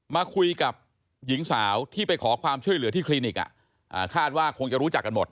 มาคุยกับหญิงสาวที่ไปขอความช่วยเหลือที่คลินิกคาดว่าคงจะรู้จักกันหมด